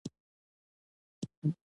مکناټن د برتانیا له خوا وګمارل شو.